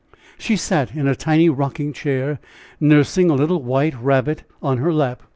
She sat in a tiny rocking chair, nursing a little white rabbit on her lap.